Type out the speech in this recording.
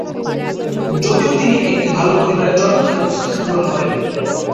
যদিও তিনি একটি ভাল পরিবারে জন্ম এবং শিক্ষা গ্রহণ করেন।